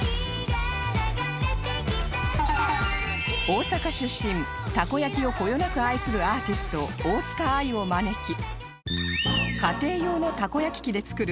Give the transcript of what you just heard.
大阪出身たこ焼きをこよなく愛するアーティスト大塚愛を招き